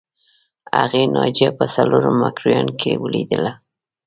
هغې ناجیه په څلورم مکروریانو کې ولیدله